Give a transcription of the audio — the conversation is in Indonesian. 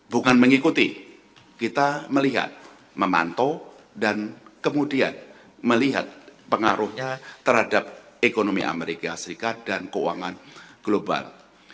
bukan mengikuti kita melihat memantau dan kemudian melihat pengaruhnya terhadap ekonomi amerika serikat dan keuangan global